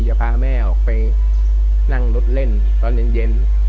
จะพาแม่ออกไปนั่งรถเล่นตอนเย็น